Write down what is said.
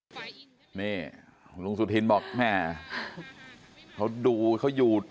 นี่ลุงสุทินบอก่าแม่เขาอยู่